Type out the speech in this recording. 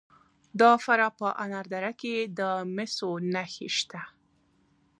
د فراه په انار دره کې د مسو نښې شته.